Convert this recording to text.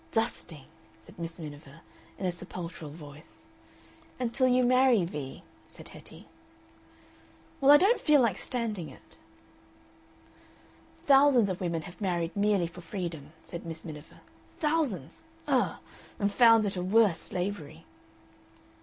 "DUSTING!" said Miss Miniver, in a sepulchral voice. "Until you marry, Vee," said Hetty. "Well, I don't feel like standing it." "Thousands of women have married merely for freedom," said Miss Miniver. "Thousands! Ugh! And found it a worse slavery."